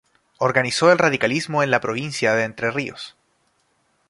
Organizó el radicalismo en la provincia de Entre Rios.